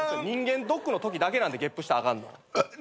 人間ドックのときだけなんでげっぷしたあかんの。